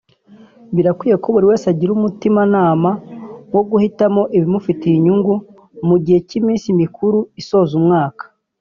Birakwiye ko buri wese agira umutima nama wo guhitamo ibimufitiye inyungu mu gihe cy’iminsi mikuru isoza umwaka